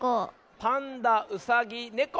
パンダうさぎねこ。